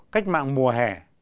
cách mạng mùa hè